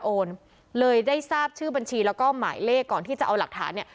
โอนเลยได้ทราบชื่อบัญชีแล้วก็หมายเลขก่อนที่จะเอาหลักฐานเนี่ย